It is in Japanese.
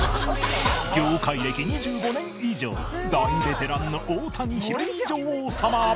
業界歴２５年以上大ベテランの大谷ひろみ女王様